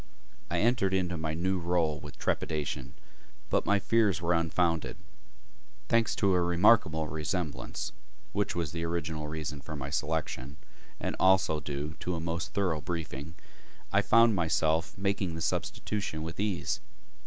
I entered into my new role with trepidation, but my fears were unfounded. Thanks to a remarkable resemblance (which was the original reason for my selection) and also due to a most thorough briefing, I found myself making the substitution with ease.